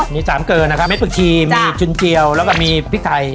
มีสามเกลือนะครับเด็ดผักชีมีจุนเจียวแล้วก็มีพริกไทย